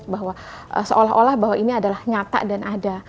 bahwa seolah olah bahwa ini adalah nyata dan ada